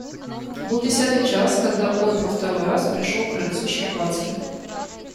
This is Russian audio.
Был десятый час, когда он во второй раз пришел к крыльцу Щербацких.